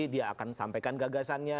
dia akan sampaikan gagasannya